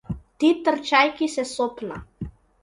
Ти трчајќи се сопна.